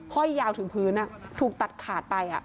ห้อยยาวถึงพื้นถูกตัดขาดไป